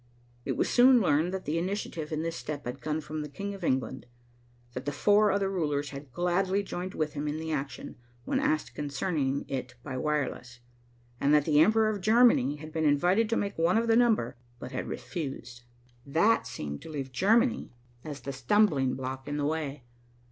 It was soon learned that the initiative in this step had come from the King of England, that the four other rulers had gladly joined with him in the action, when asked concerning it by wireless, and that the Emperor of Germany had been invited to make one of the number, but had refused. That seemed to leave Germany as the stumbling block in the way.